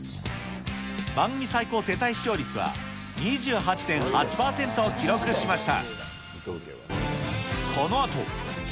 番組最高世帯視聴率は２８．８％を記録しました。